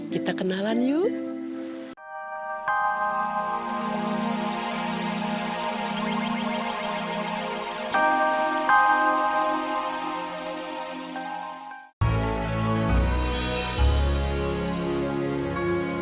kita kenalan yuk